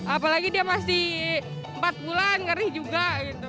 apalagi dia masih empat bulan ngeri juga gitu